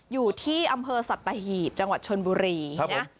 อยู่ที่อำเภอสัตหีบจังหวัดชนบุรีนะ